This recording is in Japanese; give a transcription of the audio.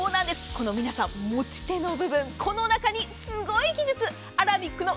皆さん、持ち手の部分この中にすごい技術アラミックの